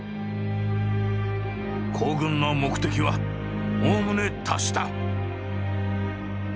「行軍の目的はおおむね達した」。